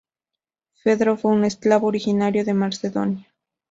Fedro fue un esclavo originario de Macedonia.